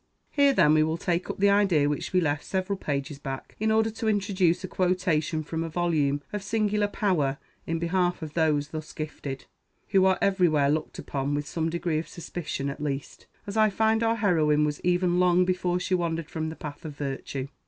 Here, then, we will take up the idea which we left several pages back, in order to introduce a quotation from a volume of singular power in behalf of those thus gifted, who are every where looked upon with some degree of suspicion at least, as I find our heroine was even long before she wandered from the path of virtue.